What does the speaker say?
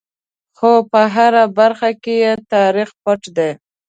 خو په هره برخه کې یې تاریخ پټ دی.